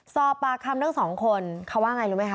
สอบปากคำทั้งสองคนเขาว่าไงรู้ไหมค